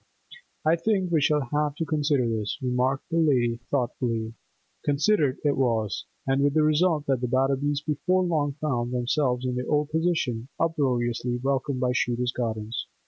'I think we shall have to consider this,' remarked the lady, thoughtfully. Considered it was, and with the result that the Batterbys before long found themselves in their old position, uproariously welcomed by Shooter's Gardens.